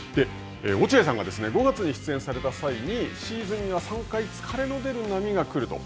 落合さんが５月に出演された際にシーズンには３回、疲れの出る波が来ると。